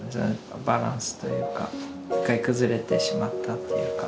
バランスというか一回崩れてしまったっていうか。